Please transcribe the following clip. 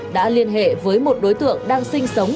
đã liên hệ với một đối tượng đang sinh sống